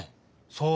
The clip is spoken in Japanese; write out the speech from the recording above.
そう！